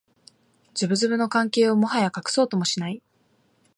ズブズブの関係をもはや隠そうともしない